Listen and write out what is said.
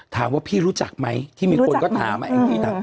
ถามว่าพี่รู้จักไหมที่มีคนก็ถามแองจี้ถาม